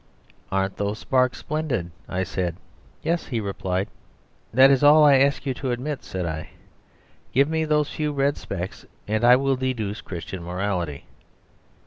"Aren't those sparks splendid?" I said. "Yes," he replied. "That is all that I ask you to admit," said I. "Give me those few red specks and I will deduce Christian morality.